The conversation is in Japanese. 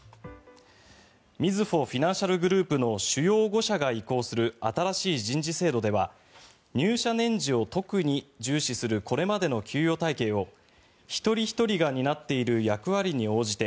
みずほフィナンシャルグループの主要５社が移行する新しい人事制度では入社年次を特に重視するこれまでの給与体系を一人ひとりが担っている役割に応じて